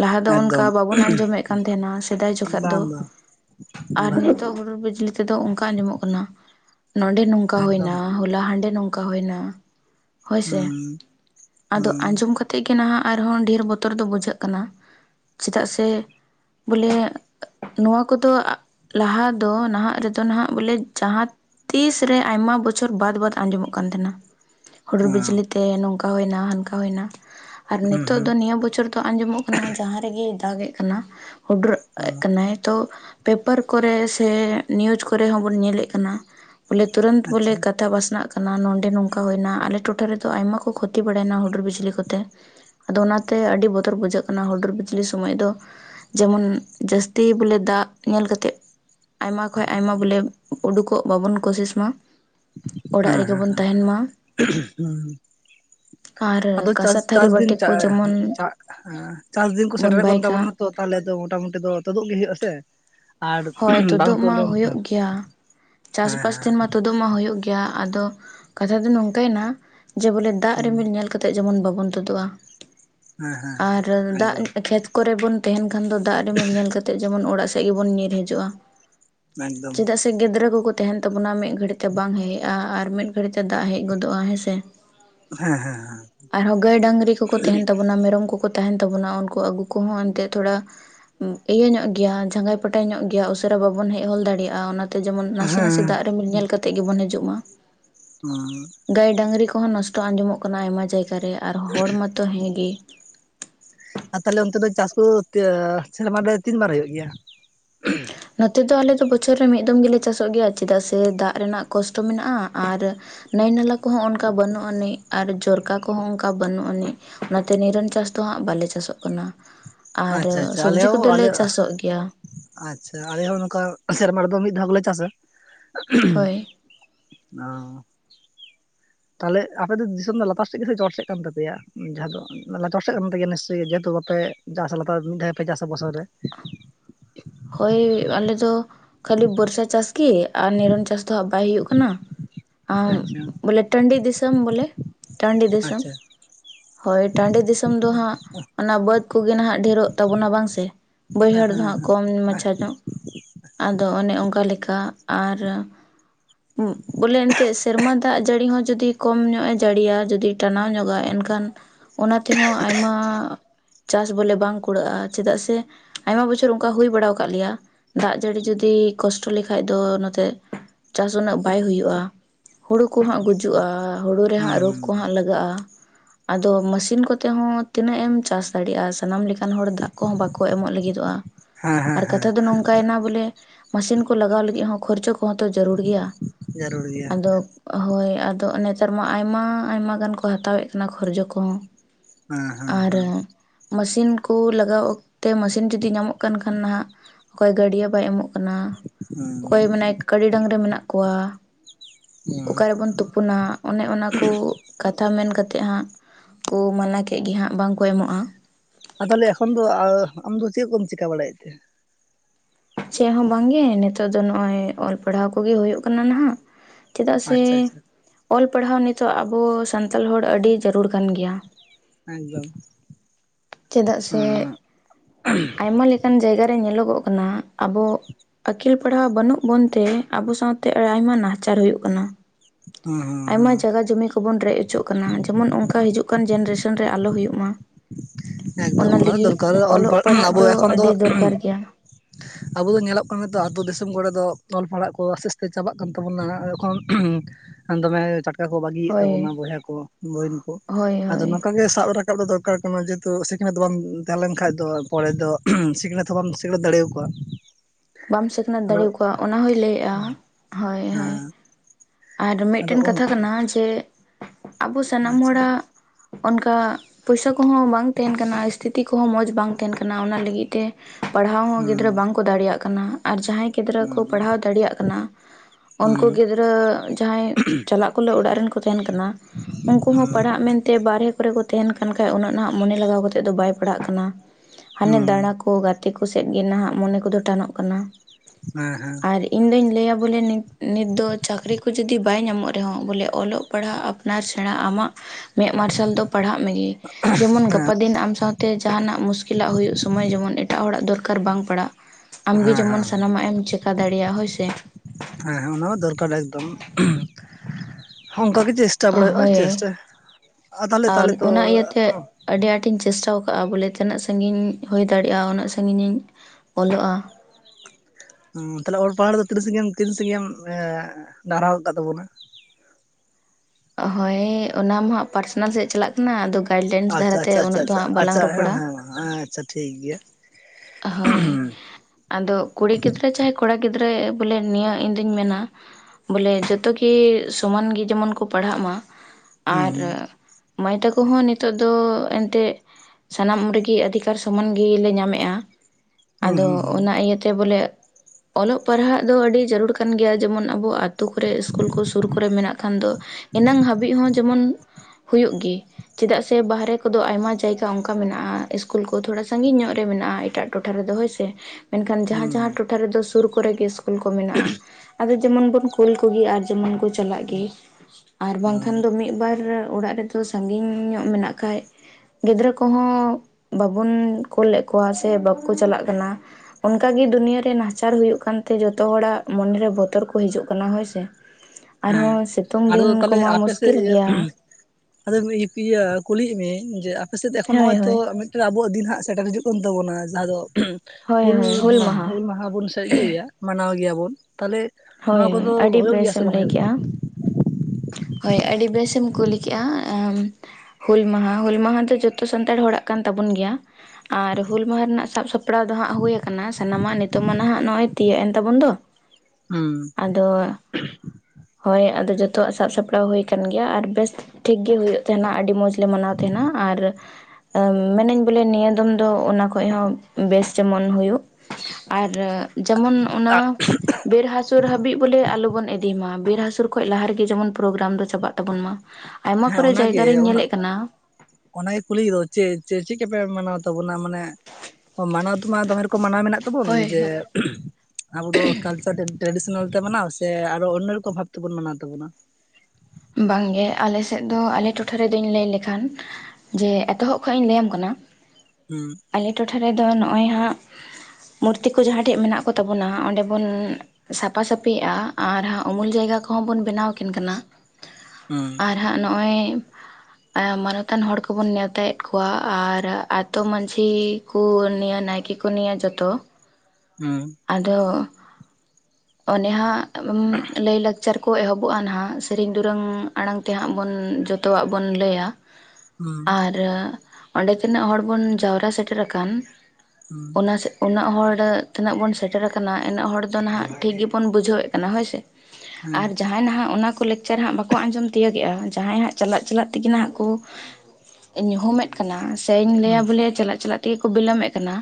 ᱞᱟᱦᱟ ᱫᱚ ᱮᱠᱫᱚᱢ ᱚᱱᱠᱟ ᱵᱟᱵᱚᱱ ᱟᱸᱡᱚᱢᱮᱫ ᱛᱟᱦᱮᱸᱱᱟ ᱥᱮᱫᱟᱭ ᱡᱚᱠᱷᱟ ᱫᱚ ᱵᱟᱝ ᱵᱟᱝ ᱟᱨ ᱵᱟ ᱱᱤᱛᱚᱜ ᱦᱩᱰᱩᱨ ᱵᱤᱡᱞᱤ ᱛᱮᱫᱚ ᱚᱱᱠᱟ ᱟᱸᱡᱚᱢᱚᱜ ᱠᱟᱱᱟ ᱱᱚᱰᱮ ᱱᱚᱝᱠᱟ ᱮᱠᱫᱚᱢ ᱦᱩᱭᱱᱟ ᱦᱚᱞᱟ ᱦᱟᱸᱰᱮ ᱱᱚᱝᱠᱟ ᱦᱩᱭ ᱮᱱᱟ ᱦᱳᱭᱥᱮ ᱦᱩᱸ ᱟᱫᱚ ᱦᱩᱸ ᱟᱸᱡᱚᱢ ᱠᱟᱛᱮᱜ ᱜᱮ ᱱᱟᱦᱟᱜ ᱟᱨᱦᱚᱸ ᱰᱷᱮᱨ ᱵᱚᱛᱚᱨ ᱫᱚ ᱵᱩᱡᱷᱟᱹᱜ ᱠᱟᱱᱟ ᱪᱮᱫᱟᱜ ᱥᱮ ᱵᱚᱞᱮ ᱱᱚᱣᱟ ᱠᱚᱫᱚ ᱞᱟᱦᱟ ᱫᱚ ᱱᱟᱦᱟᱜ ᱨᱮᱫᱚ ᱱᱟᱦᱟᱜ ᱵᱚᱞᱮ ᱡᱟᱦᱟᱸ ᱛᱤᱥ ᱨᱮ ᱟᱭᱢᱟ ᱵᱚᱪᱷᱚᱨ ᱵᱟᱫ ᱵᱟᱫ ᱟᱸᱡᱚᱢᱚᱜ ᱠᱟᱱ ᱛᱟᱦᱮᱱᱟ ᱦᱩᱰᱩᱨ ᱚᱸ ᱵᱤᱡᱽᱞᱤ ᱛᱮ ᱱᱚᱝᱠᱟ ᱦᱩᱭᱱᱟ ᱦᱟᱱᱠᱟ ᱦᱩᱭᱱᱟ ᱟᱨ ᱦᱩᱸ ᱱᱤᱛᱚᱜ ᱦᱩᱸ ᱫᱚ ᱱᱤᱭᱟᱹ ᱵᱚᱪᱷᱚᱨ ᱛᱚ ᱟᱸᱡᱚᱢᱚᱜ ᱠᱟᱱᱟ ᱡᱟᱦᱟᱸ ᱨᱮᱜᱮ ᱫᱟᱜ ᱮᱫ ᱠᱟᱱᱟ ᱦᱩᱰᱩᱨ ᱮᱜ ᱦᱩᱸ ᱠᱟᱱᱟᱭ ᱛᱚ ᱯᱮᱯᱟᱨ ᱠᱚᱨᱮ ᱥᱮ ᱱᱤᱭᱩᱡ ᱠᱚᱨᱮ ᱦᱚᱸᱵᱚᱱ ᱧᱮᱞᱮᱫ ᱠᱟᱱᱟ ᱵᱚᱞᱮ ᱛᱩᱨᱟᱹᱛ ᱵᱚᱞᱮ ᱟᱪᱪᱷᱟ ᱠᱟᱛᱷᱟ ᱯᱟᱥᱱᱟᱜ ᱠᱟᱱᱟ ᱱᱚᱰᱮ ᱱᱚᱝᱠᱟ ᱦᱩᱭᱱᱟ ᱟᱞᱮ ᱴᱚᱴᱷᱟ ᱨᱮᱫᱚ ᱟᱭᱢᱟ ᱠᱚ ᱠᱷᱚᱛᱤ ᱵᱟᱲᱟᱭᱱᱟ ᱦᱩᱰᱩᱨ ᱵᱤᱡᱞᱤ ᱠᱚᱛᱮ ᱟᱫᱚ ᱚᱱᱟᱛᱮ ᱟᱹᱰᱤ ᱵᱚᱛᱚᱨ ᱵᱩᱡᱷᱟᱹᱜ ᱠᱟᱱᱟ ᱦᱩᱰᱩᱨ ᱵᱤᱡᱽᱞᱤ ᱥᱚᱢᱚᱭ ᱫᱚ ᱡᱮᱢᱚᱱ ᱡᱟᱹᱥᱛᱤ ᱵᱚᱞᱮ ᱫᱟᱜ ᱧᱮᱞᱠᱟᱛᱮᱫ ᱟᱭᱢᱟ ᱠᱷᱚᱱ ᱟᱭᱢᱟ ᱵᱚᱞᱮ ᱩᱰᱩᱠᱚᱜ ᱵᱟᱵᱚᱱ ᱠᱳᱥᱤᱥ ᱢᱟ ᱦᱮᱸ ᱚᱲᱟᱜ ᱨᱮᱜᱮ ᱵᱚᱱ ᱛᱟᱦᱮᱱ ᱢᱟ ᱦᱮᱸ ᱦᱮᱸ ᱟᱨ ᱦᱩᱸ ᱟᱫᱚ ᱠᱟᱸᱥᱟ ᱛᱷᱟᱹᱨᱤ ᱪᱟᱥ ᱫᱤᱱ ᱵᱟᱹᱴᱤ ᱪᱟ ᱠᱚ ᱡᱮᱢᱚᱱ ᱪᱟ ᱪᱟᱥ ᱫᱤᱱ ᱠᱚ ᱵᱚᱱ ᱥᱮᱴᱮᱨᱚᱜ ᱵᱟᱭ ᱠᱟᱱ ᱠᱟᱜ ᱛᱟᱵᱚᱱᱟ ᱛᱟᱦᱚᱞᱮ ᱫᱚ ᱢᱚᱴᱟᱢᱩᱴᱤ ᱫᱚ ᱛᱩᱫᱩᱜ ᱜᱮ ᱦᱩᱭᱩᱜ-ᱟ ᱥᱮ ᱟᱨ ᱦᱳᱭ ᱵᱟᱝ ᱛᱩᱫᱩᱜ ᱛᱩᱫ ᱢᱟ ᱞᱮᱱ ᱦᱩᱭᱩᱜ ᱠᱷᱟᱱ ᱜᱮᱭᱟ ᱦᱮᱸ ᱪᱟᱥᱵᱟᱥ ᱦᱮᱸ ᱫᱤᱱ ᱢᱟ ᱛᱚ ᱛᱩᱫᱩᱜ ᱢᱟ ᱦᱩᱭᱩᱜ ᱜᱮᱭᱟ ᱟᱫᱚ ᱠᱟᱛᱷᱟ ᱫᱚ ᱱᱚᱝᱠᱟᱭᱮᱱᱟ ᱡᱮ ᱵᱚᱞᱮ ᱫᱟᱜ ᱦᱩᱸ ᱨᱤᱢᱤᱞ ᱧᱮᱞ ᱠᱟᱛᱮ ᱡᱮᱢᱚᱱ ᱵᱟᱵᱚᱱ ᱛᱩᱫᱩᱜ-ᱟ ᱦᱮᱸ ᱦᱮᱸ ᱟᱨ ᱫᱟᱜ ᱮᱠᱫᱚᱢ ᱠᱷᱮᱛ ᱠᱚᱨᱮ ᱵᱚᱱ ᱛᱟᱦᱮᱱ ᱠᱷᱟᱱ ᱫᱚ ᱫᱟᱜ ᱨᱮᱤᱢᱤᱞ ᱧᱮᱞ ᱠᱟᱛᱮᱫ ᱡᱮᱢᱚᱱ ᱚᱲᱟᱜ ᱥᱮᱫ ᱜᱮᱵᱚᱱ ᱧᱤᱨ ᱦᱤᱡᱩᱜ-ᱟ ᱮᱠᱫᱚᱢ ᱪᱮᱫᱟᱜ ᱥᱮ ᱥᱮ ᱜᱤᱫᱽᱨᱟᱹ ᱠᱚᱠᱚ ᱛᱟᱦᱮᱱ ᱛᱟᱵᱚᱱᱟ ᱢᱤᱫ ᱜᱷᱟᱹᱲᱤᱡ ᱛᱮ ᱵᱟᱝ ᱦᱮᱡ-ᱟ ᱟᱨ ᱢᱤᱫ ᱜᱷᱟᱹᱲᱤᱡ ᱛᱮ ᱫᱟᱜ ᱦᱮᱡ ᱜᱚᱫᱚᱜ-ᱟ ᱦᱮᱸᱥᱮ ᱦᱮᱸ ᱦᱮᱸ ᱦᱮᱸ ᱟᱨᱦᱚᱸ ᱜᱟᱹᱭ ᱰᱟᱝᱨᱤ ᱠᱚᱠᱚ ᱛᱟᱦᱮᱱ ᱛᱟᱵᱚᱱᱟ ᱢᱮᱨᱚᱢ ᱠᱚᱠᱚ ᱛᱟᱦᱮᱱ ᱛᱟᱵᱚᱱᱟ ᱩᱱᱠᱩ ᱟᱹᱜᱩ ᱠᱚᱦᱚᱸ ᱮᱱᱛᱜ ᱛᱷᱚᱲᱟ ᱤᱭᱟᱹ ᱧᱚᱜ ᱜᱮᱭᱟ ᱡᱟᱸᱜᱟᱭ ᱯᱚᱴᱟᱭ ᱧᱚᱜ ᱜᱮᱭᱟ ᱜᱮᱭᱟ ᱩᱥᱟᱹᱨᱟ ᱵᱟᱵᱚᱱ ᱦᱮᱡ ᱦᱚᱞ ᱫᱟᱲᱮᱭᱟᱜ-ᱟ ᱚᱱᱟᱛᱮ ᱡᱮᱢᱚᱱ ᱦᱮᱸ ᱱᱟᱥᱮ ᱱᱟᱥᱮ ᱫᱟᱜ ᱦᱮᱸ ᱨᱮ ᱧᱮᱞ ᱠᱟᱛᱮᱜ ᱜᱮᱵᱚᱱ ᱦᱤᱡᱩᱜ ᱢᱟ [unintelligible] ᱜᱟᱹᱭ ᱰᱟᱹᱝᱨᱤ ᱠᱚᱦᱚᱸ ᱱᱚᱥᱴᱚ ᱟᱸᱡᱚᱢᱚᱜ ᱠᱟᱱᱟ ᱟᱭᱢᱟ ᱡᱟᱭᱜᱟ ᱨᱮ ᱟᱨ ᱦᱚᱲ ᱢᱟᱛᱚ ᱦᱮᱸᱜᱮ ᱟᱨ ᱛᱟᱦᱞᱮ ᱚᱱᱛᱮ ᱫᱚ ᱪᱟᱥ ᱠᱚ ᱥᱮᱨᱢᱟ ᱨᱮ ᱛᱤᱱᱵᱟᱨ ᱦᱩᱭᱩᱜ ᱜᱮᱭᱟ ᱱᱚᱛᱮ ᱫᱚ ᱟᱞᱮ ᱫᱚ ᱵᱚᱪᱷᱚᱨ ᱨᱮ ᱢᱤᱫ ᱫᱚᱢ ᱜᱮᱞᱮ ᱪᱟᱥᱚᱜ ᱜᱮᱭᱟ ᱪᱮᱫᱟᱜ ᱥᱮ ᱫᱟᱜ ᱨᱮᱱᱟᱜ ᱠᱚᱥᱴᱚ ᱢᱮᱱᱟᱜ-ᱟ ᱟᱨ ᱱᱟᱹᱭ ᱱᱟᱞᱟ ᱠᱚᱦᱚᱸ ᱚᱱᱠᱟ ᱵᱟᱹᱱᱩᱜ ᱟᱹᱱᱤᱡ ᱟᱨ ᱡᱚᱨᱠᱟ ᱠᱚᱦᱚᱸ ᱚᱱᱠᱟ ᱵᱟᱹᱱᱩᱜ ᱟᱹᱱᱤᱡ ᱚᱱᱟᱛᱮ ᱱᱤᱨᱚᱱ ᱪᱟᱥ ᱫᱚᱦᱟᱸᱜ ᱵᱟᱞᱮ ᱪᱟᱥᱚᱜ ᱠᱟᱱᱟ ᱟᱨ ᱟᱪᱪᱷᱟ ᱟᱪᱪᱷᱟ ᱟᱞᱮ ᱥᱚᱵᱡᱤ ᱦᱚᱸ ᱠᱚᱫᱚᱞᱮ ᱟᱞᱮ ᱪᱟᱥᱚᱜ ᱜᱮᱭᱟ ᱟᱪᱪᱷᱟ ᱟᱞᱮ ᱦᱚᱸ ᱱᱚᱝᱠᱟ ᱥᱮᱨᱢᱟ ᱨᱮᱫᱚ ᱢᱤᱫ ᱫᱷᱟᱣ ᱜᱮᱞᱮ ᱪᱟᱥ-ᱟ ᱦᱳᱭ ᱚ ᱛᱟᱦᱚᱞᱮ ᱟᱯᱮ ᱫᱚ ᱫᱤᱥᱚᱢ ᱫᱚ ᱞᱟᱛᱟᱨ ᱥᱮᱫ ᱜᱮᱞ ᱪᱚᱴ ᱮᱫ ᱠᱟᱱ ᱛᱟᱯᱮᱭᱟ ᱡᱟᱦᱟᱸ ᱫᱚ ᱞᱟᱛᱟᱨ ᱥᱮᱫ ᱠᱟᱱ ᱛᱟᱮᱭᱟ ᱱᱤᱥᱪᱳᱭ ᱡᱮᱦᱮᱛᱩ ᱵᱟᱯᱮ ᱪᱟᱥ ᱞᱟᱛᱟᱨ ᱞᱟᱛᱟᱨ ᱢᱤᱫ ᱫᱷᱟᱣ ᱯᱮ ᱪᱟᱥᱼᱟ ᱵᱚᱚᱥᱚᱨ ᱨᱮ ᱦᱳᱭ ᱟᱞᱮ ᱫᱚ ᱠᱷᱟᱹᱞᱤ ᱵᱚᱨᱥᱟ ᱪᱟᱥᱜᱤ ᱟᱨ ᱱᱤᱨᱚᱱ ᱪᱟᱥ ᱫᱚᱦᱟᱸᱜ ᱵᱟᱭ ᱦᱩᱭᱩᱜ ᱠᱟᱱᱟ ᱟ ᱟᱪᱪᱷᱟ ᱵᱚᱞᱮ ᱴᱺᱰᱤ ᱫᱤᱥᱚᱢ ᱵᱚᱞᱮ ᱴᱟᱺᱰᱤ ᱫᱤᱥᱚᱢ ᱟᱪᱪᱷᱟ ᱦᱳᱭ ᱴᱟᱺᱰᱤ ᱫᱤᱥᱚᱢ ᱫᱚ ᱦᱟᱸᱜ ᱚᱱᱟ ᱵᱟᱹᱫ ᱠᱚᱜᱮ ᱱᱟᱦᱟᱜ ᱰᱷᱮᱨᱚᱜ ᱛᱟᱵᱚᱱᱟ ᱵᱟᱝᱥᱮ ᱦᱮᱸ ᱵᱟᱹᱭᱦᱟᱹᱲ ᱫᱚ ᱦᱮᱸ ᱦᱟᱸᱜ ᱠᱚᱢ ᱢᱟᱪᱷᱟ ᱧᱚᱜ ᱟᱫᱚ ᱚᱱᱮ ᱚᱱᱠᱟ ᱞᱮᱠᱟ ᱟᱨ ᱵᱚᱞᱮ ᱮᱱᱛᱮᱜ ᱥᱮᱨᱢᱟ ᱫᱟᱜ ᱡᱟᱹᱲᱤ ᱦᱚᱸ ᱡᱩᱫᱤ ᱠᱚᱢ ᱧᱚᱜ ᱮ ᱡᱟᱹᱲᱤᱭᱟ ᱡᱩᱫᱤ ᱴᱟᱱᱟᱣ ᱧᱚᱜᱼᱟ ᱮᱱᱠᱷᱟᱱ ᱚᱱᱟ ᱛᱮᱦᱚᱸ ᱟᱭᱢᱟ ᱪᱟᱥ ᱵᱚᱞᱮ ᱵᱟᱝ ᱠᱩᱲᱟᱹᱜᱼᱟ ᱪᱮᱫᱟᱜ ᱥᱮ ᱟᱭᱢᱟ ᱵᱚᱪ ᱚᱱᱠᱟ ᱦᱩᱭ ᱵᱟᱲᱟ ᱠᱟᱜ ᱞᱮᱭᱟ ᱫᱟᱜ ᱡᱟᱹᱲᱤ ᱡᱩᱫᱤ ᱠᱚᱥᱴᱚ ᱞᱮᱠᱷᱟᱡ ᱫᱚ ᱱᱚᱛᱮ ᱪᱟᱥ ᱩᱱᱟᱹᱜ ᱵᱟᱭ ᱦᱩᱭᱩᱜᱼᱟ ᱦᱩᱲᱩ ᱠᱚᱦᱟᱸᱜ ᱜᱩᱡᱩᱜᱼᱟ ᱦᱩᱲᱩ ᱨᱮ ᱦᱩᱸ ᱦᱟᱸᱜ ᱨᱳᱜᱽ ᱦᱩᱸ ᱠᱚᱦᱟᱸᱜ ᱞᱟᱜᱟᱜᱼᱟ [inaudible] ᱟᱫᱚ ᱢᱟᱥᱤᱱ ᱠᱚᱛᱮ ᱦᱚᱸ ᱛᱤᱱᱟᱹᱜ ᱮᱢ ᱪᱟᱥ ᱫᱟᱲᱮᱭᱟᱜᱼᱟ ᱥᱟᱱᱟᱢ ᱞᱮᱠᱟᱱ ᱦᱚᱲ ᱫᱟᱜ ᱠᱚᱦᱚᱸ ᱵᱟᱠᱚ ᱮᱢᱚᱜ ᱞᱟᱹᱜᱤᱫᱚᱜᱼᱟ ᱦᱮᱸ ᱦᱮᱸ ᱟᱨ ᱦᱮᱸ ᱠᱟᱛᱷᱟ ᱫᱚ ᱱᱚᱝᱠᱟᱭᱮᱱᱟ ᱵᱚᱞᱮ ᱢᱮᱥᱤᱱ ᱠᱚ ᱞᱟᱜᱟᱣ ᱞᱟᱹᱜᱤᱫ ᱦᱚᱸ ᱠᱷᱚᱨᱪᱚ ᱠᱚᱦᱚᱸ ᱛᱚ ᱡᱟᱹᱨᱩᱲ ᱜᱮᱭᱟ ᱡᱟᱹᱨᱩᱲ ᱜᱮᱭᱟ ᱟᱫᱚ ᱦᱳᱭ ᱟᱫᱚ ᱱᱮᱛᱟᱨ ᱢᱟ ᱟᱭᱢᱟ ᱟᱭᱢᱟ ᱜᱟᱱ ᱠᱚ ᱦᱟᱛᱟᱣᱮᱫ ᱠᱟᱱᱟ ᱠᱷᱚᱨᱡᱚ ᱠᱚᱦᱚᱸ ᱦᱮᱸ ᱦᱮᱸ ᱟᱨ ᱦᱮᱸ ᱢᱟᱥᱤᱱ ᱠᱚ ᱞᱟᱜᱟᱣ ᱚᱠᱛᱮ ᱢᱟᱥᱤᱱ ᱡᱩᱫᱤ ᱧᱟᱢᱚᱜ ᱠᱟᱱ ᱠᱷᱟᱱ ᱱᱟᱦᱟᱜ ᱚᱠᱚᱭ ᱜᱟᱹᱰᱭᱟᱹ ᱵᱟᱭ ᱮᱢᱚᱜ ᱠᱟᱱᱟ ᱦᱩᱸ ᱚᱠᱚᱭ ᱢᱮᱱᱟᱭ ᱠᱟᱰᱤ ᱰᱟᱝᱨᱤ ᱢᱮᱱᱟᱜ ᱠᱚᱣᱟ ᱦᱩᱸ ᱚᱠᱟᱨᱮᱵᱚᱱ ᱛᱩᱯᱩᱱᱟ ᱚᱱᱮ ᱚᱱᱟ ᱠᱚ ᱠᱟᱛᱷᱟ ᱢᱮᱱ ᱠᱟᱛᱮᱫ ᱦᱟᱸᱜ ᱠᱚ ᱢᱟᱱᱟ ᱠᱮᱜ ᱜᱮ ᱦᱟᱸᱜ ᱵᱟᱝᱠᱚ ᱮᱢᱚᱜᱼᱟ ᱟ ᱛᱟᱦᱚᱞᱮ ᱮᱠᱷᱚᱱ ᱫᱚ ᱟᱢ ᱫᱚ ᱪᱮᱫ ᱠᱚᱢ ᱪᱮᱠᱟᱹ ᱵᱟᱲᱟᱭᱮᱫ ᱛᱮ ᱪᱮᱫ ᱦᱚᱸ ᱵᱟᱝᱜᱮ ᱱᱤᱛᱚᱜ ᱫᱚ ᱱᱚᱜᱼᱚᱭ ᱚᱞ ᱯᱟᱲᱦᱟᱣ ᱠᱚᱜᱮ ᱦᱩᱭᱩᱜ ᱠᱟᱱᱟ ᱱᱟᱦᱟᱜ ᱪᱮᱫᱟᱜ ᱥᱮ ᱟᱪᱪᱷᱟ ᱟᱪᱪᱷᱟ ᱚᱞ ᱯᱟᱲᱦᱟᱣ ᱱᱤᱛᱚᱜ ᱟᱵᱚ ᱥᱟᱱᱛᱟᱲ ᱦᱚᱲ ᱟᱹᱰᱤ ᱡᱟᱹᱨᱩᱲ ᱠᱟᱱ ᱜᱮᱭᱟ ᱮᱫᱚᱢ ᱪᱮᱫᱟᱜ ᱥᱮ ᱦᱚᱸ ᱟᱭᱢᱟ ᱞᱮᱠᱟᱱ ᱡᱟᱭᱜᱟ ᱨᱮ ᱧᱮᱞᱚᱜᱚᱜ ᱠᱟᱱᱟ ᱟᱵᱚ ᱟᱹᱠᱤᱞ ᱯᱟᱲᱦᱟᱣ ᱵᱟᱹᱱᱩᱜ ᱵᱚᱱᱛᱮ ᱟᱵᱚ ᱥᱟᱶᱛᱮ ᱟᱭᱢᱟ ᱱᱟᱦᱟᱪᱟᱨ ᱦᱩᱭᱩᱜ ᱠᱟᱱᱟ ᱦᱮᱸ ᱟᱭᱢᱟ ᱦᱮᱸ ᱡᱟᱜᱟ ᱡᱚᱢᱤ ᱠᱚ ᱠᱚᱵᱚᱱ ᱨᱮᱡ ᱦᱚᱪᱚᱜ ᱠᱟᱱᱟ ᱡᱮᱢᱚᱱ ᱚᱱᱠᱟ ᱦᱤᱡᱩᱜ ᱠᱟᱱ ᱡᱮᱱᱟᱨᱮᱥᱚᱱ ᱨᱮ ᱟᱞᱚ ᱦᱩᱭᱩᱜ ᱢᱟ ᱮᱠᱫᱚᱢ ᱚᱱᱟ ᱫᱚ ᱞᱟᱹᱜᱤᱫ ᱫᱚᱨᱠᱟᱨ ᱚᱞ ᱚᱞᱚᱜ ᱯᱟᱲ ᱯᱟᱲᱦᱟᱜ ᱟᱵᱚ ᱮᱠᱷᱚᱱ ᱫᱚ ᱟᱹᱰᱤ ᱫᱚᱨᱠᱟᱨ ᱜᱮᱭᱟ ᱟᱵᱚ ᱫᱚ ᱧᱮᱞᱚᱜ ᱠᱟᱱᱟ ᱛᱚ ᱟᱹᱛᱩ ᱫᱤᱥᱚᱢ ᱠᱚᱨᱮ ᱫᱚ ᱚᱞ ᱯᱟᱲᱦᱟᱜ ᱠᱚ ᱟᱥᱛᱮ ᱟᱥᱛᱮ ᱪᱟᱵᱟᱜ ᱠᱟᱱ ᱛᱟᱵᱚᱱᱟ ᱮᱠᱷᱚᱱ ᱟᱱ ᱫᱚᱢᱮ ᱪᱟ ᱠᱟ ᱠᱚ ᱵᱟᱹᱜᱤᱭᱮᱫ ᱦᱳᱭ ᱛᱟᱵᱚᱱᱟ ᱵᱚᱭᱦᱟ ᱠᱚ ᱵᱚᱭᱤᱱ ᱠᱚ ᱦᱳᱭ ᱟᱫᱚ ᱦᱳᱭ ᱱᱚᱝᱠᱟ ᱜᱮ ᱥᱟᱵ ᱨᱟᱠᱟᱵ ᱫᱚ ᱫᱚᱨᱠᱟᱨ ᱠᱟᱱᱟ ᱡᱮ ᱛᱚ ᱥᱤᱠᱷᱱᱟᱹᱛ ᱵᱟᱢ ᱛᱟᱦᱮᱸ ᱞᱮᱱ ᱠᱷᱟᱱ ᱫᱚ ᱯᱚᱨᱮᱫ ᱫᱚ ᱥᱤᱠᱷᱱᱟᱹᱛ ᱦᱚᱸ ᱵᱟᱢ ᱥᱤᱠᱷᱱᱟᱹᱛ ᱫᱟᱲᱮᱭᱟᱠᱚᱣᱟ ᱵᱟᱢ ᱥᱤᱠᱷᱱᱟᱹᱛ ᱟᱫᱚ ᱫᱟᱲᱮ ᱟᱠᱚᱣᱟ ᱚᱱᱟ ᱦᱚᱭ ᱞᱟᱹᱭᱮᱜᱼᱟ ᱦᱳᱭ ᱦᱳᱭ ᱦᱮᱸ ᱟᱨ ᱟᱫᱚ ᱢᱤᱫᱴᱮᱱ ᱠᱟᱛᱷᱟ ᱠᱟᱱᱟ ᱡᱮ ᱟᱵᱚ ᱥᱟᱱᱟᱢ ᱟᱪᱪᱷᱟ ᱦᱚᱲᱟᱜ ᱚᱱᱠᱟ ᱯᱚᱭᱥᱟ ᱠᱚᱦᱚᱸ ᱵᱟᱝ ᱛᱟᱦᱮᱱ ᱠᱟᱱᱟ ᱥᱛᱷᱤᱛᱤ ᱠᱚᱦᱚᱸ ᱢᱚᱸᱡᱽ ᱵᱟᱝ ᱛᱟᱦᱮᱱ ᱠᱟᱱᱟ ᱚᱱᱟ ᱞᱟᱹᱜᱤᱫ ᱛᱮ ᱯᱟᱲᱦᱟᱣ ᱦᱚᱸ ᱜᱤᱫᱽᱨᱟᱹ ᱦᱩᱸ ᱵᱟᱝᱠᱚ ᱫᱟᱲᱮᱭᱟᱜ ᱠᱟᱱᱟ ᱟᱨ ᱡᱟᱦᱟᱸᱭ ᱜᱤᱫᱽᱨᱟᱹ ᱠᱚ ᱦᱩᱸ ᱯᱟᱲᱦᱟᱣ ᱫᱟᱲᱮᱭᱟᱜ ᱠᱟᱱᱟ ᱦᱩᱸ ᱩᱱᱠᱩ ᱜᱤᱫᱽ ᱨᱟᱹ ᱡᱟᱦᱟᱸᱭ ᱪᱟᱞᱟᱜ ᱠᱚᱞᱟᱹ ᱚᱲᱟᱜ ᱨᱮᱱ ᱠᱚ ᱛᱟᱦᱮᱱ ᱠᱟᱱᱟ ᱩᱱᱠᱩ ᱦᱚᱸ ᱦᱩᱸ ᱯᱟᱲᱦᱟᱜ ᱢᱮᱱᱛᱮ ᱵᱟᱨᱦᱮ ᱠᱚᱨᱮ ᱠᱚ ᱛᱟᱦᱮᱱ ᱠᱟᱱ ᱠᱷᱟᱡ ᱩᱱᱟᱹᱜ ᱢᱚᱱᱮ ᱞᱟᱜᱟᱣ ᱠᱟᱛᱮᱜ ᱫᱚ ᱵᱟᱭ ᱯᱟᱲᱟᱜ ᱠᱟᱱᱟ ᱦᱩᱸ ᱦᱟᱱᱮ ᱫᱟᱬᱟ ᱠᱚ ᱜᱟ ᱛᱮ ᱠᱚᱥᱮᱫ ᱜᱮ ᱱᱟᱦᱟᱜ ᱢᱚᱱᱮ ᱠᱚᱫᱚ ᱴᱟᱱᱚᱜ ᱠᱟᱱᱟ ᱦᱮᱸ ᱦᱮᱸ ᱟᱨ ᱤᱧ ᱫᱚᱧ ᱞᱟᱹᱭᱟ ᱵᱚᱞᱮ ᱱᱤᱛ ᱫᱚ ᱪᱟᱹᱠᱨᱤ ᱠᱚ ᱡᱩᱫᱤ ᱵᱟᱭ ᱧᱟᱢᱚᱜ ᱨᱮᱦᱚᱸ ᱵᱚᱞᱮ ᱚᱞᱚᱜ ᱯᱟᱲᱦᱟᱜ ᱟᱯᱱᱟᱨ ᱥᱮᱬᱟ ᱟᱢᱟᱜ ᱢᱮᱫ ᱢᱟᱨᱥᱟᱞ ᱫᱚ ᱯᱟᱲᱦᱟᱜ ᱢᱮᱜᱮ ᱡᱮᱢᱚᱱ ᱜᱟᱯᱟ ᱫᱤᱱ ᱟᱢ ᱥᱟᱶᱛᱮ ᱡᱟᱦᱟᱱᱟᱜ ᱢᱩᱥᱠᱤᱞᱟᱜ ᱦᱩᱭᱩᱜ ᱥᱚᱢᱚᱭ ᱡᱮᱢᱚᱱ ᱮᱴᱟᱜ ᱦᱚᱲᱟᱜ ᱫᱚᱨᱠᱟᱨ ᱵᱟᱝ ᱯᱟᱲᱟᱜ ᱟᱢᱜᱮ ᱦᱮᱸ ᱡᱮᱢᱚᱱ ᱦᱮᱸ ᱥᱟᱱᱟᱢᱟᱜ ᱮᱢ ᱪᱮᱠᱟ ᱫᱟᱲᱮᱭᱟᱜ ᱦᱳᱭ ᱥᱮ ᱦᱮᱸ ᱦᱮᱸ ᱚᱱᱟ ᱦᱚᱸ ᱫᱚᱨᱠᱟᱨᱟ ᱮᱠᱫᱚᱢ ᱚᱱᱠᱟ ᱜᱮ ᱪᱮᱥ ᱴᱟ ᱵᱟᱲᱟ ᱦᱩᱭᱩᱜᱼᱟ ᱦᱳᱭ ᱪᱮᱥᱴᱟᱭ ᱟ ᱛᱟᱦᱚᱞᱮ ᱟᱨ ᱛᱟᱦᱚᱞᱮ ᱛᱚ ᱚᱱᱟ ᱤᱭᱟᱹᱛᱮ ᱟᱹᱰᱤ ᱟᱸᱴ ᱤᱧ ᱪᱮᱥᱴᱟ ᱟᱠᱟᱜᱼᱟ ᱵᱚᱞᱮ ᱛᱤᱱᱟᱹᱜ ᱥᱟᱺᱜᱤᱧ ᱦᱩᱭ ᱫᱟᱲᱮᱭᱟᱜᱼᱟ, ᱩᱱᱟᱹᱜ ᱥᱟᱺᱜᱤᱧᱤᱧ ᱚᱞᱚᱜᱼᱟ᱾ ᱩᱸ ᱛᱟᱦᱞᱮ ᱚᱞ ᱯᱟᱲᱦᱟᱲ ᱫᱚ ᱛᱤᱨᱤᱥ ᱥᱟᱸᱜᱤᱧ ᱮᱢ ᱛᱤᱨᱤᱥᱜᱮᱢ ᱮᱸ ᱰᱟᱨᱦᱟᱣ ᱠᱟᱫ ᱛᱟᱵᱚᱱᱟ? ᱦᱳᱭ ᱚᱱᱟ ᱢᱟ ᱦᱟᱜ ᱯᱟᱨᱥᱚᱱᱟᱞ ᱥᱮᱫ ᱪᱟᱞᱟᱜ ᱟᱫᱚ ᱜᱟᱭᱤᱰᱞᱟᱭᱤᱱᱥ ᱟᱪᱪᱷᱟ ᱫᱷᱟᱨᱟ ᱛᱮ ᱟᱪᱪᱷᱟ ᱟᱪᱪᱷᱟ ᱩᱱᱟᱹᱜ ᱫᱚ ᱟᱪᱪᱷᱟ ᱦᱟᱸᱜ ᱵᱟᱞᱟᱝ ᱟᱪᱪᱷᱟ ᱦᱮᱸ ᱨᱚᱯᱚᱲᱟ ᱾ ᱦᱮᱸ ᱟᱪᱪᱷᱟ ᱴᱷᱤᱠ ᱜᱮᱭᱟ ᱦᱳᱭ ᱾ ᱟᱫᱚ ᱠᱩᱲᱤ ᱜᱤᱫᱽᱨᱟᱹ ᱪᱟᱦᱮ ᱠᱚᱲᱟ ᱜᱤᱫᱽᱨᱟᱹ ᱵᱚᱞᱮ ᱱᱤᱭᱟᱹ ᱤᱧᱫᱩᱧ ᱢᱮᱱᱟ, ᱵᱚᱞᱮ ᱡᱚᱛᱚ ᱜᱮ ᱥᱚᱢᱟᱱ ᱜᱮ ᱡᱮᱢᱚᱱ ᱠᱚ ᱯᱟᱲᱦᱟᱜ ᱢᱟ ᱦᱩᱸ ᱟᱨ ᱢᱟᱹᱭ ᱛᱟᱠᱚ ᱦᱚᱸ ᱱᱤᱛᱚᱜ ᱫᱚ ᱮᱱᱛᱮᱫ ᱥᱟᱱᱟᱢ ᱨᱮᱜᱮ ᱚᱫᱷᱤᱠᱟᱨ ᱥᱚᱢᱟᱱ ᱜᱮᱞᱮ ᱧᱟᱢᱮᱫᱼᱟ, ᱦᱩᱸ ᱟᱫᱚ ᱦᱩᱸ ᱦᱩᱸ ᱚᱱᱟ ᱤᱭᱟᱹᱛᱮ ᱵᱚᱞᱮ ᱚᱞᱚᱜ ᱯᱟᱲᱦᱟᱜ ᱫᱚ ᱟᱹᱰᱤ ᱡᱟᱹᱨᱩᱲ ᱠᱟᱱ ᱜᱮᱭᱟ, ᱡᱮᱢᱚᱱ ᱟᱵᱚ ᱟᱛᱩ ᱠᱚᱨᱮᱜ ᱤᱥᱠᱩᱞ ᱠᱚ ᱥᱩᱨ ᱠᱚᱨᱮ ᱢᱮᱱᱟᱜ ᱠᱷᱟᱱ ᱫᱚ, ᱮᱱᱟᱝ ᱦᱟᱹᱵᱤᱡ ᱦᱚᱸ ᱡᱮᱢᱚᱱ ᱦᱩᱭᱩᱜ ᱜᱤ ᱾ ᱪᱮᱫᱟᱜ ᱥᱮ ᱵᱟᱦᱨᱮ ᱠᱚᱫᱚ ᱟᱭᱢᱟ ᱡᱟᱭᱜᱟ ᱚᱱᱠᱟ ᱢᱮᱱᱟᱜᱼᱟ, ᱤᱥᱠᱩᱞ ᱠᱚ ᱛᱷᱚᱲᱟ ᱥᱟᱺᱜᱤᱧ ᱧᱚᱜ ᱨᱮ ᱢᱮᱱᱟᱜᱼᱟ ᱾ ᱮᱴᱟᱜᱟᱜ ᱴᱟᱴᱷᱟ ᱨᱮᱫᱚ ᱦᱳᱭ ᱥᱮ, ᱢᱮᱱᱠᱷᱟᱱ ᱦᱩᱸ ᱡᱟᱦᱟᱸ ᱡᱟᱦᱟᱸᱴᱚᱴᱷᱟ ᱨᱮᱫᱚ ᱥᱩᱨ ᱠᱚᱨᱮ ᱜᱮ ᱤᱥᱠᱩᱞ ᱠᱚ ᱢᱮᱱᱟᱜᱼᱟ ᱾ ᱟᱫᱚ ᱡᱮᱢᱚᱱ ᱵᱚᱱ ᱠᱩᱞ ᱠᱚᱜᱮ ᱟᱨ ᱡᱮᱢᱚᱱ ᱠᱚ ᱪᱟᱞᱟᱜ ᱜᱮ ᱾ ᱟᱨ ᱦᱩᱸ ᱵᱟᱝᱠᱷᱟᱱ ᱫᱚ ᱢᱤᱫᱵᱟᱨ ᱚᱲᱟᱜ ᱨᱮᱫᱚ ᱥᱟᱜᱤᱧ ᱧᱚᱜ ᱢᱮᱱᱟᱜ ᱠᱷᱟᱡ ᱜᱤᱫᱽᱨᱟᱹ ᱠᱚᱦᱚᱸ ᱵᱟᱵᱚᱱ ᱠᱳᱞ ᱞᱮᱫ ᱠᱚᱣᱟ ᱥᱮ ᱵᱟᱠᱚ ᱪᱟᱞᱟᱜ ᱠᱟᱱᱟ, ᱚᱱᱠᱟ ᱜᱮ ᱫᱩᱱᱭᱟᱹ ᱨᱮ ᱱᱟᱦᱟᱪᱟᱨ ᱦᱩᱭᱩᱜ ᱠᱟᱱᱛᱮ ᱡᱚᱛᱚ ᱦᱚᱲᱟᱜ ᱢᱚᱱᱮ ᱨᱮ ᱵᱚᱛᱚᱨ ᱠᱚ ᱦᱤᱡᱩᱜ ᱠᱟᱱᱟ ᱦᱳᱭ ᱥᱮ᱾ [inaudible] ᱟᱨᱦᱚᱸ ᱥᱤᱛᱩᱝ ᱟᱫᱚ ᱫᱤᱱ ᱛᱟᱦᱚᱞᱮ ᱠᱚᱢᱟ ᱟᱯᱮᱥᱮᱫ ᱢᱩᱥᱠᱤᱞ ᱜᱮᱭᱟ ᱾ ᱟᱫᱚ ᱤ ᱯᱤᱭᱟᱹ ᱠᱩᱞᱤᱭᱮᱫ ᱢᱮᱭᱟ, ᱡᱮ ᱟᱯᱮ ᱥᱮᱫ ᱮᱠᱷᱚᱱ ᱦᱳᱭ ᱱᱚᱜᱚᱭ ᱛᱚ ᱦᱳᱭ ᱢᱤᱫ ᱟᱵᱚᱣᱟᱜ ᱫᱤᱱ ᱦᱟᱸᱜ ᱥᱮᱴᱮᱨ ᱦᱤᱡᱩᱜ ᱠᱟᱱ ᱛᱟᱵᱚᱱᱟ, ᱡᱟᱦᱟᱸ ᱫᱚ ᱦᱩᱞ ᱢᱟᱦ ᱦᱩᱞ ᱢᱟᱦᱟ ᱵᱚᱱ ᱤᱭᱟᱹᱭᱟ ᱢᱟᱱᱟᱣ ᱜᱮᱭᱟᱵᱚᱱ, ᱛᱟᱞᱦᱮ ᱦᱳᱭ ᱦᱳᱭ, ᱟᱹᱰᱤ ᱵᱮᱥᱮᱢ ᱞᱟᱹᱭ ᱠᱮᱜᱼᱟ ᱾ ᱦᱳᱭ, ᱟᱹᱰᱤ ᱵᱮᱥᱢ ᱠᱩᱞᱤ ᱠᱮᱜᱼᱟ ᱾ ᱦᱩᱞ ᱢᱟᱦᱟ ᱾ ᱦᱩᱞ ᱢᱟᱦᱟ ᱫᱚ ᱡᱚᱛᱚ ᱥᱟᱱᱛᱟᱲ ᱦᱚᱲᱟᱜ ᱠᱟᱱ ᱛᱟᱵᱚᱱ ᱜᱮᱭᱟ ᱾ ᱟᱨ ᱦᱩᱞ ᱢᱟᱦᱟ ᱨᱮᱱᱟᱜ ᱥᱟᱵ ᱥᱟᱯᱲᱟᱣ ᱫᱚ ᱦᱟᱸᱜ ᱦᱩᱭ ᱟᱠᱟᱱᱟ, ᱥᱟᱱᱟᱢᱟᱜ ᱱᱤᱛᱚᱜ ᱢᱟ ᱱᱟᱦᱜ ᱱᱚᱜᱼᱚᱭ ᱛᱤᱭᱳᱟᱹᱜ ᱮᱱ ᱛᱟᱵᱚᱱ ᱫᱚ ᱾ [inaudible] ᱟᱫᱚ ᱦᱳᱭ ᱟᱫᱚ ᱡᱚ ᱛᱚᱣᱟᱜ ᱥᱟᱵ ᱥᱟᱯᱲᱟᱣ ᱦᱩᱭ ᱟᱠᱟᱱ ᱜᱮᱭᱟ ᱟᱨ ᱵᱮᱥ ᱴᱷᱤᱠ ᱜᱮ ᱦᱩᱭᱩᱜ ᱛᱟᱦᱮᱱᱟ ᱟᱹᱰᱤ ᱢᱚᱡᱽ ᱞᱮ ᱢᱟᱱᱟᱣ ᱛᱟᱦᱮᱸᱱᱟ, ᱟᱨ ᱢᱮᱱ ᱤᱧ ᱵᱚᱞᱮ ᱱᱤᱭᱟᱹ ᱫᱚᱢ ᱫᱚ ᱚᱱᱟ ᱠᱷᱚᱡ ᱦᱚᱸ ᱵᱮᱥ ᱡᱮᱢᱚᱱ ᱦᱩᱭᱩᱜ ᱾ ᱟᱨ ᱡᱮᱢᱚᱱ ᱚᱱᱟ ᱵᱮᱨ ᱦᱟᱹᱥᱩᱨ ᱦᱟᱹᱵᱤᱡ ᱵᱚᱞᱮ ᱟᱞᱚᱵᱚᱱ ᱤᱫᱤ ᱢᱟ, ᱵᱮᱨ ᱦᱟᱹᱥᱩᱨ ᱠᱷᱚᱡ ᱞᱟᱦᱟ ᱨᱮᱜᱮ ᱡᱮᱢᱚᱱ ᱯᱨᱳᱜᱨᱟᱢ ᱫᱚ ᱪᱟᱵᱟᱜ ᱛᱟᱵᱚᱱ ᱢᱟ, ᱟᱭᱢᱟ ᱦᱮᱸ ᱠᱚᱨᱮ ᱡᱟᱭᱜᱟ ᱚᱱᱟᱜᱮ ᱨᱤᱧ ᱧᱮᱞᱮᱫ ᱠᱟᱱᱟ ᱾ ᱚᱱᱟ ᱜᱮ ᱠᱩᱞᱤ ᱫᱚ, ᱪᱮ ᱪᱮᱫ ᱠᱟᱯᱮ ᱢᱟᱱᱟᱣ ᱛᱟᱵᱚᱱᱟ? ᱢᱟᱱᱮ ᱢᱟᱱᱟᱣ ᱫᱚ ᱢᱟ ᱫᱚᱢᱮ ᱠᱚ ᱢᱟᱱᱟᱣ ᱢᱮᱱᱟᱜ ᱛᱟᱵᱚᱱ ᱦᱳᱭ ᱾ ᱡᱮ ᱦᱳᱭ ᱟᱵᱚ ᱫᱚ ᱠᱟᱞᱪᱟᱨ ᱴᱨᱟᱰᱤᱥᱚᱱᱟᱞ ᱛᱮ ᱢᱟᱱᱟᱣ ᱥᱮ ᱟᱨᱚ ᱚᱱᱱᱚ ᱨᱚᱠᱚᱢ ᱵᱷᱟᱵ ᱛᱮᱵᱩᱱ ᱢᱟᱱᱟᱣ ᱛᱟᱵᱚᱱᱟ ᱾ ᱵᱟᱝᱜᱮ, ᱟᱞᱮ ᱥᱮᱫ ᱫᱚ ᱟᱞᱮ ᱴᱚᱴᱷᱟ ᱨᱮᱫᱚᱧ ᱞᱟᱹᱭ ᱞᱮᱠᱷᱟᱱ ᱡᱮ, ᱮᱛᱚᱦᱚᱵ ᱠᱷᱚᱱ ᱤᱧ ᱞᱟᱹᱭᱟᱢ ᱠᱟᱱᱟ ᱾ ᱦᱩᱸ ᱾ ᱟᱞᱮ ᱴᱚᱴᱷᱟ ᱨᱮᱫᱚ ᱱᱚᱜᱼᱚᱭ ᱦᱟᱸᱜ, ᱢᱩᱨᱛᱤ ᱠᱚ ᱡᱟᱦᱟᱸ ᱴᱷᱮᱡ ᱢᱮᱱᱟᱜ ᱠᱚᱛᱟᱵᱚᱱᱟ, ᱚᱸᱰᱮ ᱵᱚᱱ ᱥᱟᱯᱷᱟᱥᱟᱹᱯᱷᱤᱭᱜᱼᱟ ᱟᱨ ᱦᱟᱸᱜ ᱩᱢᱩᱞ ᱡᱟᱭᱜᱟ ᱠᱚᱦᱚᱸ ᱵᱚᱱ ᱵᱮᱱᱟᱣᱠᱤᱱ ᱠᱟᱱᱟ ᱾ ᱦᱩᱸ ᱾ ᱟᱨ ᱦᱟᱸᱜ ᱱᱚᱜᱼᱚᱭ ᱢᱟᱱᱚᱛᱟᱱ ᱦᱚᱲ ᱠᱚᱵᱚᱱ ᱱᱮᱣᱛᱟᱭᱮᱫ ᱠᱚᱣᱟ ᱟᱨ ᱟᱛᱳ ᱢᱟᱺᱡᱷᱤ ᱦᱩ ᱱᱤᱭᱮ ᱠᱚ ᱱᱤᱭᱟᱹ ᱱᱟᱭᱠᱮ ᱠᱚ ᱱᱤᱭᱮ ᱡᱚᱛᱚ᱾ ᱦᱩᱸ ᱾ ᱟᱫᱚ ᱚᱱᱮ ᱦᱟᱸᱜ ᱞᱟᱹᱭ ᱞᱟᱠᱪᱟᱨ ᱠᱚ ᱮᱦᱚᱵᱚᱜᱼᱟ ᱱᱟᱦᱜ, ᱥᱮᱨᱮᱧ ᱫᱩᱨᱟᱹᱝ ᱟᱲᱟᱝ ᱛᱮ ᱦᱟᱸᱜ ᱵᱚᱱ ᱡᱚᱛᱚᱣᱟᱜ ᱵᱚᱱ ᱞᱟᱹᱭᱟ ᱦᱩᱸ ᱟᱨ ᱟᱨ ᱚᱸᱰᱮ ᱛᱤᱱᱟᱹᱜ ᱦᱚᱲ ᱵᱚᱱ ᱡᱟᱣᱨᱟ ᱥᱮᱴᱮᱨ ᱟᱠᱟᱱ ᱦᱩᱸ ᱚᱱᱟ ᱥᱮᱫ ᱩᱱᱟᱹᱜ ᱦᱚᱲ ᱛᱤᱱᱟᱹᱜ ᱵᱚᱱ ᱥᱮᱴᱮᱨ ᱟᱠᱟᱱᱟ ᱩᱱᱟᱹᱜ ᱦᱚᱲ ᱫᱚ ᱱᱟᱦᱜ ᱴᱷᱤᱠ ᱜᱮᱵᱚᱱ ᱵᱩᱡᱷᱟᱹᱣᱮᱫ ᱠᱟᱱᱟ, ᱦᱳᱭ ᱥᱮ ᱾ ᱦᱮᱸ ᱟᱨ ᱡᱟᱦᱟᱸᱭ ᱱᱟᱦᱜ ᱚᱱᱟ ᱠᱚ ᱪᱟᱨ ᱦᱟᱸᱜ ᱵᱟᱠᱚ ᱟᱸᱡᱚᱢ ᱛᱤᱭᱟᱹᱜᱮᱜ-ᱟ ᱡᱟᱦᱟᱸᱭ ᱦᱟᱸᱜ ᱪᱟᱞᱟᱜ ᱪᱟᱞᱟᱜ ᱛᱮᱜᱮ ᱱᱟᱜ ᱠᱚ ᱧᱩᱦᱩᱢᱮᱫ ᱥᱮᱧ ᱞᱟᱹᱭᱟ ᱦᱩᱸ ᱵᱚᱞᱮ ᱪᱟᱞᱟᱜ ᱪᱟᱞᱟᱜ ᱛᱮᱜᱮ ᱠᱚ ᱵᱤᱞᱚᱢᱮᱫ ᱠᱟᱱᱟ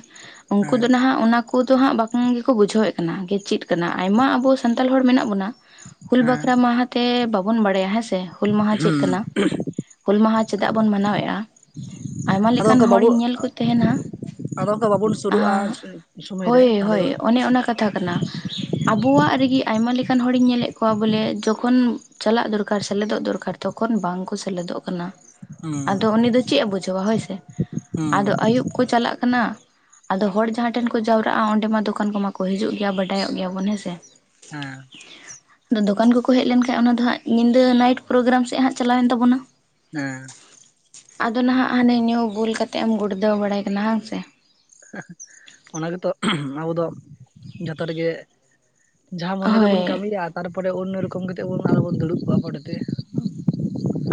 ᱩᱱᱠᱩ ᱦᱮᱸ ᱫᱚ ᱱᱟᱦᱟᱜ ᱚᱱᱟ ᱩᱱᱠᱩ ᱫᱚ ᱦᱟᱸᱜ ᱵᱟᱝ ᱜᱮᱠᱚ ᱵᱩᱡᱷᱟᱹᱣ ᱮᱫ ᱠᱟᱱᱟ ᱜᱮ ᱪᱮᱫ ᱠᱟᱱᱟ ᱟᱭᱢᱟ ᱟᱵᱚ ᱥᱟᱱᱛᱟᱲ ᱦᱚᱲ ᱢᱮᱱᱟᱜ ᱵᱚᱱᱟ ᱦᱩᱞ ᱦᱮᱸ ᱵᱟᱠᱷᱨᱟ ᱢᱟᱦᱟ ᱛᱮ ᱵᱟᱵᱚᱱ ᱵᱟᱲᱟᱭᱟ ᱦᱮᱸ ᱥᱮ ᱦᱩᱞ ᱢᱟᱦᱟ ᱪᱮᱫ ᱦᱩᱸ ᱠᱟᱱᱟ ᱦᱩᱞ ᱢᱟᱦᱟ ᱪᱮᱫᱟᱜ ᱵᱚᱱ ᱢᱟᱱᱟᱣᱮᱫ-ᱟ ᱟᱭᱢᱟ ᱟᱫᱚ ᱞᱮᱠᱟᱱ ᱚᱱᱠᱟ ᱵᱟᱵᱚ ᱦᱚᱲᱤᱧ ᱧᱮᱞ ᱠᱩ ᱛᱮᱦᱮᱱᱟ ᱟᱫᱚ ᱚᱱᱠᱟ ᱵᱟᱵᱚᱱ ᱥᱩᱨᱩᱜᱼᱟ ᱥᱚᱢᱚᱭ ᱨᱮ ᱦᱳᱭ ᱛᱟᱦᱚᱞᱮ ᱦᱳᱭ ᱫᱚ ᱚᱱᱮ ᱚᱱᱟ ᱠᱟᱛᱷᱟ ᱠᱟᱱᱟ ᱟᱵᱚᱣᱟᱜ ᱨᱮᱜᱤ ᱟᱭᱢᱟ ᱞᱮᱠᱟᱱ ᱦᱚᱲᱤᱧ ᱧᱮᱞᱮᱫ ᱠᱚᱣᱟ ᱵᱚᱞᱮ ᱡᱚᱠᱷᱚᱱ ᱪᱟᱞᱟᱜ ᱫᱚᱨᱠᱟᱨ ᱥᱮᱞᱮᱫᱚᱜ ᱫᱚᱨᱠᱟᱨ ᱛᱚᱠᱷᱚᱱ ᱵᱟᱝ ᱠᱚ ᱥᱮᱞᱮᱫᱚᱜ ᱠᱟᱱᱟ ᱦᱩᱸ ᱟᱫᱚ ᱩᱱᱤ ᱫᱚ ᱪᱮᱫ ᱮ ᱵᱩᱡᱷᱟᱹᱣᱟ ᱦᱳᱭ ᱥᱮ ᱦᱩᱸ ᱟᱫᱚ ᱟᱹᱭᱩᱵ ᱠᱚ ᱪᱟᱞᱟᱜ ᱠᱟᱱᱟ ᱟᱫᱚ ᱦᱚᱲ ᱡᱟᱦᱟᱸ ᱴᱷᱮᱱ ᱠᱚ ᱡᱟᱣᱨᱟᱜ-ᱟ ᱚᱸᱰᱮ ᱢᱟ ᱫᱚᱠᱟᱱ ᱠᱚᱢᱟ ᱠᱚ ᱦᱤᱡᱩᱜ ᱜᱮᱭᱟ ᱵᱟᱰᱟᱭᱚᱜ ᱜᱮᱭᱟᱵᱚᱱ ᱦᱮᱸ ᱥᱮ ᱦᱮᱸ ᱟᱫᱚ ᱫᱚᱠᱟᱱ ᱠᱚᱠᱚ ᱦᱮᱡ ᱞᱮᱱᱠᱷᱟᱱ ᱚᱱᱟ ᱫᱚ ᱦᱟᱸᱜ ᱧᱤᱫᱟᱹ ᱱᱟᱭᱤᱴ ᱯᱨᱳᱜᱨᱟᱢ ᱥᱮᱫ ᱦᱟᱸᱜ ᱪᱟᱞᱟᱣᱮᱱ ᱛᱟᱵᱚᱱᱟ ᱾ ᱦᱮᱸ ᱾ ᱟᱫᱚ ᱱᱟᱦᱜ ᱦᱟᱱᱮ ᱧᱩ ᱵᱩᱞ ᱠᱟᱛᱮ ᱮᱢ ᱜᱩᱲᱫᱟᱹᱣ ᱵᱟᱲᱟᱭ ᱠᱟᱱᱟ, ᱵᱟᱝ ᱥᱮ [inaudible] ᱚᱱᱟ ᱜᱮᱛᱚ ᱟᱵᱚ ᱫᱚ ᱡᱚᱛᱚ ᱨᱮᱜᱮ ᱡᱟᱦᱟᱸ ᱢᱚᱱᱮ ᱫᱚᱵᱚᱱ ᱦᱳᱭ ᱠᱟᱹᱢᱤᱭᱟ ᱛᱟᱨᱯᱚᱨᱮ ᱚᱱᱱᱚ ᱨᱚᱠᱚᱢ ᱠᱟᱛᱮᱫ ᱵᱚᱱ ᱟᱨᱚ ᱵᱚᱱ ᱫᱩᱲᱩᱵ ᱠᱚᱜᱟ ᱯᱳᱰᱛᱮ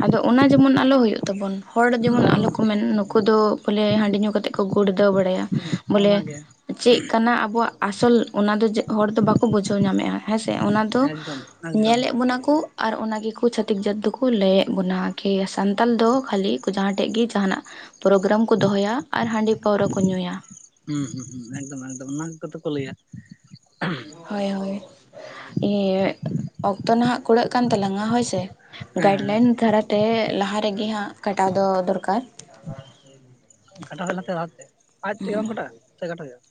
ᱟᱫᱚ ᱚᱱᱟ ᱡᱮᱢᱚᱱ ᱟᱞᱚ ᱦᱩᱭᱩᱜ ᱛᱟᱵᱚᱱ ᱦᱚᱲ ᱡᱮᱢᱚᱱ ᱵᱟᱝ ᱟᱞᱚ ᱠᱚ ᱢᱮᱱ ᱱᱩᱠᱩ ᱫᱚ ᱵᱚᱞᱮ ᱦᱟᱺᱰᱤ ᱧᱩ ᱠᱟᱛᱮᱫ ᱠᱚ ᱜᱩᱲᱫᱟᱹᱣ ᱵᱟᱲᱟᱭᱟ ᱵᱚᱞᱮ ᱚᱱᱟᱜᱮ ᱪᱮᱫ ᱠᱟᱱᱟ ᱟᱵᱚᱣᱟᱜ ᱟᱥᱚᱞ ᱚᱱᱟ ᱫᱚ ᱦᱚᱲ ᱫᱚ ᱵᱟᱠᱚ ᱵᱩᱡᱷᱟᱹᱣ ᱧᱟᱢᱮᱫ-ᱟ ᱦᱮᱸ ᱥᱮ ᱚᱱᱟ ᱫᱚ ᱮᱠᱫᱚᱢ ᱮᱠᱫᱚᱢ ᱧᱮᱞᱮᱜ ᱵᱚᱱᱟ ᱠᱩ ᱟᱨ ᱚᱱᱟ ᱜᱮᱠᱚ ᱪᱷᱟᱹᱛᱤᱠ ᱡᱟᱛ ᱫᱚᱠᱚ ᱞᱟᱹᱭ ᱭᱮᱜ ᱵᱚᱱᱟ ᱠᱤ ᱥᱟᱱᱛᱟᱞ ᱫᱚ ᱠᱷᱟᱹᱞᱤ ᱡᱟᱦᱟᱸ ᱴᱷᱮᱡ ᱜᱮ ᱡᱟᱦᱟᱱᱟᱜ ᱯᱨᱳᱜᱨᱟᱢ ᱠᱚ ᱫᱚᱦᱚᱭᱟ ᱟᱨ ᱦᱟᱺᱰᱤ ᱯᱟᱹᱣᱨᱟᱹ ᱠᱚ ᱧᱩᱭᱟ ᱦᱩᱸ ᱦᱩᱸ ᱦᱩᱸ ᱮᱠᱫᱚᱢ ᱮᱠᱫᱚᱢ ᱚᱱᱟ ᱜᱮᱫᱚ ᱠᱚ ᱞᱟᱹᱭᱟ ᱦᱳᱭ ᱦᱳᱭ ᱤᱭᱟᱹ ᱚᱠᱛᱚ ᱱᱟᱦᱟᱜ ᱠᱩᱲᱟᱹᱜ ᱠᱟᱱ ᱛᱟᱞᱟᱝᱟ ᱦᱳᱭ ᱥᱮ ᱜᱟᱭᱤᱰ ᱞᱟᱭᱤᱱ ᱦᱮᱸ ᱫᱷᱟᱨᱟ ᱛᱮ ᱞᱟᱦᱟ ᱨᱮᱜᱮ ᱦᱟᱸᱜ ᱠᱟᱴᱟᱣ ᱫᱚ ᱫᱚᱨᱠᱟᱨ ᱠᱟᱴᱟᱣ ᱞᱟᱦᱛᱮ ᱞᱟᱦᱟᱛᱮ ᱟᱡ ᱛᱮᱜᱮ ᱵᱟᱝᱢ ᱠᱟᱴᱟᱜ-ᱟ ᱥᱮ ᱠᱟᱴᱟᱜ ᱦᱩᱭᱩᱜ-ᱟ